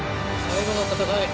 最後の戦い。